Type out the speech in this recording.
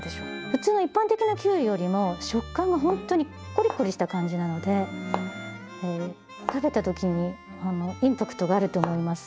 普通の一般的なキュウリよりも食感がほんとにコリコリした感じなので食べた時にインパクトがあると思います。